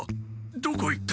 どこへ行った！？